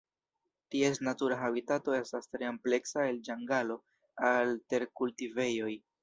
Ties natura habitato estas tre ampleksa el ĝangalo al terkultivejoj.